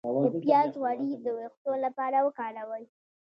د پیاز غوړي د ویښتو لپاره وکاروئ